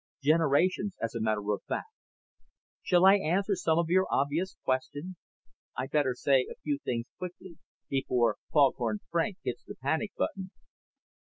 Generations, as a matter of fact. Shall I answer some of your obvious questions? I'd better say a few things quickly, before Foghorn Frank hits the panic button."